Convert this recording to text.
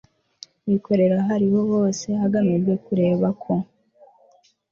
bikorera aho ariho hose hagamijwe kureba ko